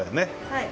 はい。